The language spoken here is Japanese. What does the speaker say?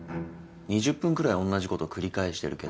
２０分くらいおんなじこと繰り返してるけど。